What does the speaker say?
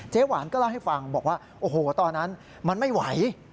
หวานก็เล่าให้ฟังบอกว่าโอ้โหตอนนั้นมันไม่ไหว